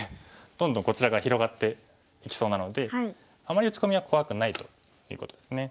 どんどんこちらが広がっていきそうなのであまり打ち込みは怖くないということですね。